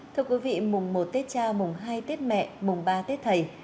thưa quý vị mùng một tết cha mùng hai tết mẹ mùng ba tết thầy